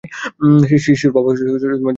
শিশুর বাবা জনকে বেঁধে ফেলে।